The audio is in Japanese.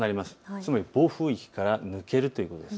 つまり暴風域から抜けるということです。